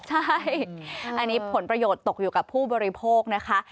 ใช่อันนี้ผลประโยชน์ตกอยู่กับผู้บริโภคนะคะ